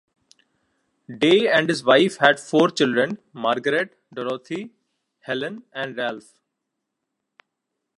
Day and his wife had four children: Margaret, Dorothy, Helen and Ralph.